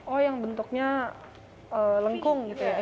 oh yang bentuknya lengkung gitu ya